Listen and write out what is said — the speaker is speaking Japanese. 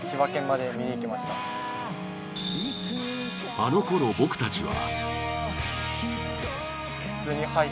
あの頃僕たちは。